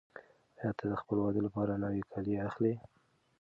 آیا ته د خپل واده لپاره نوي کالي اخلې؟